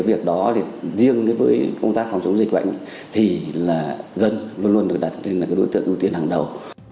việc đó riêng với công tác phòng chống dịch vậy thì dân luôn luôn được đặt như đối tượng ưu tiên hàng đầu